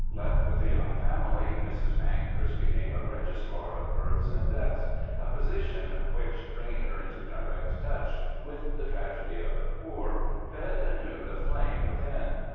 Left with a young family, Mrs. Pankhurst became a Registrar of Births and Deaths, a position which, bringing her into direct touch with the tragedy of the poor, fed anew the flame within.